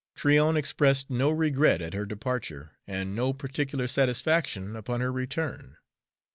Tryon expressed no regret at her departure and no particular satisfaction upon her return.